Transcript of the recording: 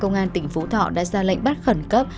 công an tỉnh phú thọ đã ra lệnh bắt khẩn cấp